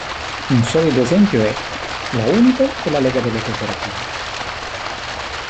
Un solido esempio è la Unipol e la Lega delle Cooperative.